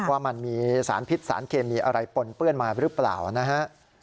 ว่ามันมีสารพิษสารเคมีอะไรปนเปื้อนมาหรือเปล่านะฮะ